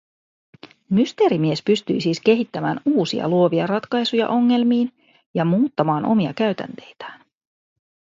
Mysteerimies pystyi siis kehittämään uusia luovia ratkaisuja ongelmiin ja muuttamaan omia käytänteitään.